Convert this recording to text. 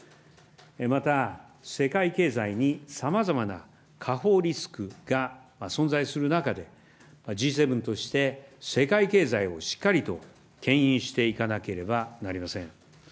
また、世界経済にさまざまな下方リスクが存在する中で、Ｇ７として世界経済をしっかりとけん引していかなければなりません。